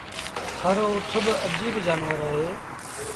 ٿر رو اُٺ با اَجيب جآنور اهي۔